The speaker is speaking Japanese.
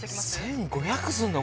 １５００すんの？